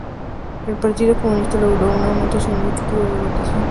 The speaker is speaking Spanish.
El Partido Comunista logró un aumento significativo de su votación.